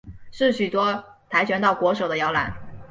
是许多跆拳道国手的摇篮。